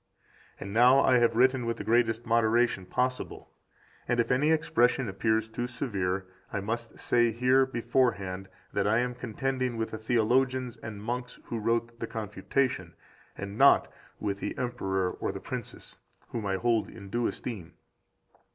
13 And now I have written with the greatest moderation possible; and if any expression appears too severe, I must say here beforehand that I am contending with the theologians and monks who wrote the Confutation, and not with the Emperor or the princes, 14 whom I hold in due esteem.